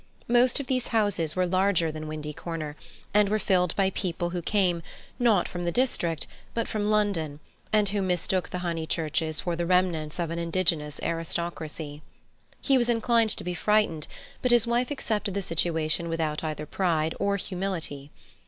Most of these houses were larger than Windy Corner, and were filled by people who came, not from the district, but from London, and who mistook the Honeychurches for the remnants of an indigenous aristocracy. He was inclined to be frightened, but his wife accepted the situation without either pride or humility.